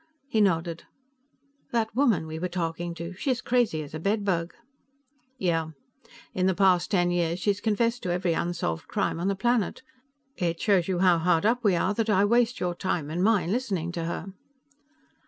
He nodded. "That woman we were talking to. She's crazy as a bedbug." "Yeah. In the past ten years she's confessed to every unsolved crime on the planet. It shows you how hard up we are that I waste your time and mine listening to her."